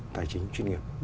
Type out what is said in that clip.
tài chính chuyên nghiệp